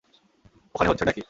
ওখানে হচ্ছেটা কী?